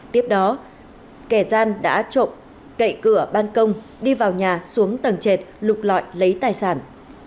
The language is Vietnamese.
tiếp đó kẻ gian đã trộm cậy cửa ban công đi vào nhà xuống tầng trệt lục lọi lấy tài sản